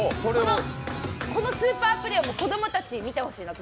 このスーパープレーを子供たちに見てもらいたいなと。